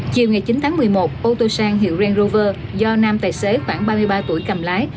chiều ngày chín tháng một mươi một ô tô sang hiệu ren rover do nam tài xế khoảng ba mươi ba tuổi cầm lái